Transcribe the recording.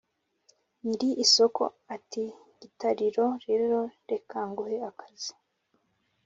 nyiri isoko ati gitariro rero reka nguhe akazi